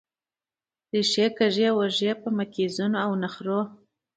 ریښې کږې وږې په مکیزونو او نخرو